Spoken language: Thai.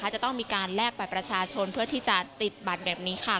จะต้องมีการแลกบัตรประชาชนเพื่อที่จะติดบัตรแบบนี้ค่ะ